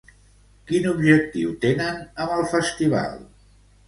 Quin objectiu tenen amb el festival?